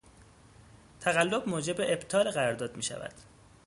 تقلب موجب ابطال قرارداد میشود.